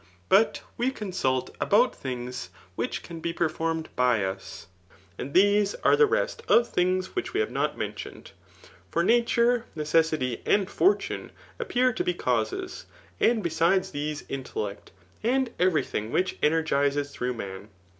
But we cc^[isult about things which can be performed by ub; and these are the. rest of things which we have noc m^itioned. For nature, necessity, and fortune, appear* to .ke causes ; and besides these intellect, and every thing which enei^zes through man.